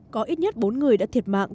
có ít nhất bốn người đã thiệt mạng